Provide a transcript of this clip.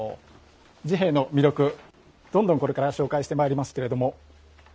治兵衛の魅力、どんどんこれから紹介してまいりますけれども。